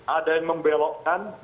ada yang membelokkan